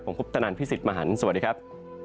ผมคุปตนันพี่สิทธิ์มหันฯสวัสดีครับ